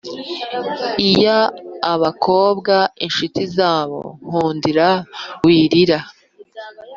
iya abakobwa inshuti zawe, nkundira wirira